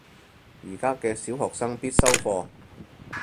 而家嘅小學生必修課